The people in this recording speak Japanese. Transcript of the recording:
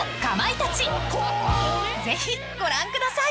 ［ぜひご覧ください］